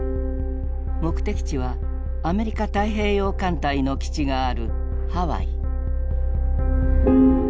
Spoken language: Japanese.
目的地はアメリカ太平洋艦隊の基地があるハワイ。